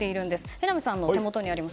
榎並さんの手元にあります。